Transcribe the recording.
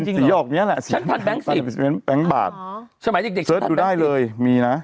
ใช่ไหมเด็กเซิร์ชดูได้เลยมีนะ